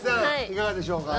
いかがでしょうか？